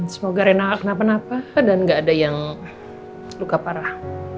semoga renak kenapa napa dan gak ada yang luka parah